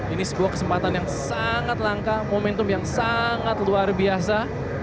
ini sebuah kesempatan yang sangat langka momentum yang sangat luar biasa